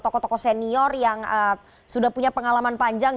toko toko senior yang sudah punya pengalaman panjang